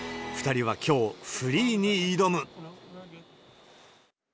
２人はきょう、フリーに挑む。